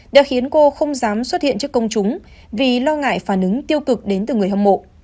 đã khiến cô không dám xuất hiện trước công chúng vì lo ngại phản ứng tiêu cực đến từ người hâm mộ